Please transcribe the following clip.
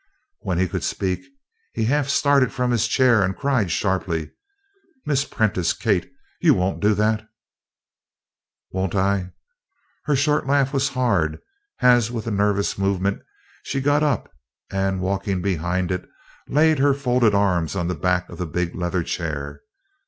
When he could speak he half started from his chair and cried sharply: "Miss Prentice! Kate! You won't do that!" "Won't I?" Her short laugh was hard as with a nervous movement she got up, and walking behind it, laid her folded arms on the back of the big leather chair.